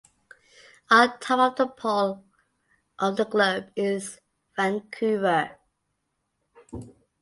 On top of the pole of the globe is Vancouver.